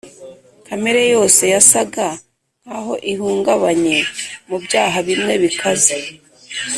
kamere yose yasaga nkaho ihungabanye mubyaha bimwe bikaze,